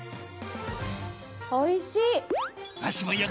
おいしい。